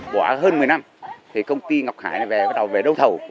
quả hơn một mươi năm công ty ngọc hải bắt đầu đấu thầu